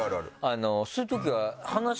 そういうときは。